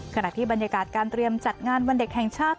ขณะที่บรรยากาศการเตรียมจัดงานวันเด็กแห่งชาติ